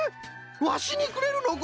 ワシにくれるのこれ！？